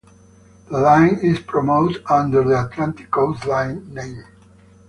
The line is promoted under the "Atlantic Coast Line" name.